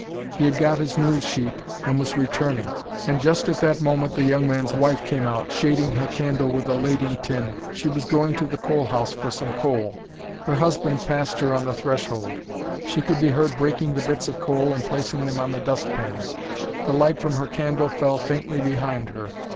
He had got his news sheet, and was returning. And just at that moment the young man's wife came out, shading her candle with a lading tin. She was going to the coal house for some coal. Her husband passed her on the threshold. She could be heard breaking the bits of coal and placing them on the dustpan. The light from her candle fell faintly behind her.